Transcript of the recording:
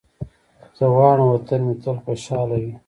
زه غواړم وطن مې تل خوشحاله وي.